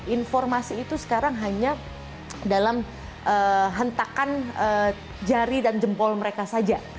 informasi itu sekarang hanya dalam hentakan jari dan jempol mereka saja